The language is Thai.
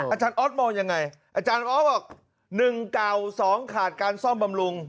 อาจารย์ออสมองยังไงอาจารย์ออสบอก๑เก่า๒ขาดการซ่อมบำรุง